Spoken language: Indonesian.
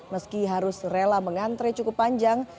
meski harus rela mengantre cukup panjang